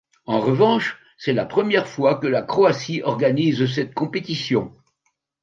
En revanche, c'est la première fois que la Croatie organise cette compétition.